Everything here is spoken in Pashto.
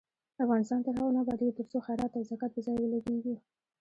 افغانستان تر هغو نه ابادیږي، ترڅو خیرات او زکات په ځای ولګیږي.